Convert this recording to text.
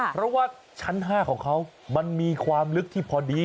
เพราะว่าชั้น๕ของเขามันมีความลึกที่พอดี